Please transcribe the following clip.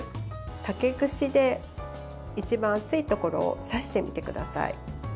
竹串で一番厚いところを刺してみてください。